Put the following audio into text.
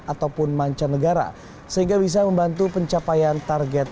ataupun mancanegara sehingga bisa membantu pencapaian target